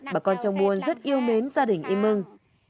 bà con trong buôn rất yêu mến gia đình y mưng